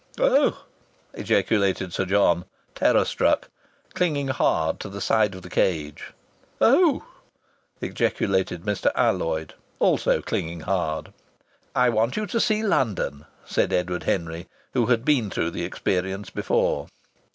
"Oh!" ejaculated Sir John, terror struck, clinging hard to the side of the cage. "Oh!" ejaculated Mr. Alloyd, also clinging hard. "I want you to see London," said Edward Henry, who had been through the experience before.